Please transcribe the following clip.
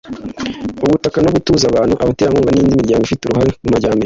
ubutaka no gutuza abantu abaterankunga n'indi miryango ifite uruhare mu majyambere